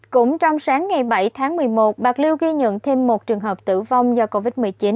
cũng trong sáng ngày bảy tháng một mươi một bạc liêu ghi nhận thêm một trường hợp tử vong do covid một mươi chín